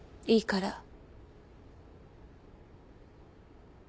いいから。